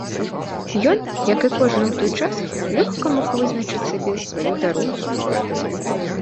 Ён, як і кожны ў той час, лёгка мог вызначыць сабе сваю дарогу.